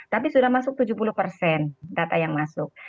tapi sudah masuk tujuh puluh persen data yang masuk